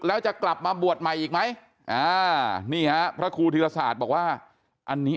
แล้วจะกลับมาบวชใหม่อีกไหมนี่ฮะพระครูธีรศาสตร์บอกว่าอันนี้